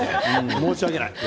申し訳ない。